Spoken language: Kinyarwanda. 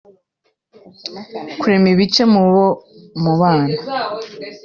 kurema ibice mu bo mubana